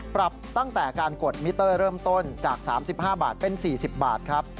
ปรับตั้งแต่การกดมิเตอร์เริ่มต้นจาก๓๕บาทเป็น๔๐บาทครับ